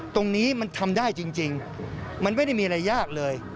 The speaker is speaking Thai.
ตรงนี้มันทำได้จริงมันไม่ได้มีอะไรยากเลย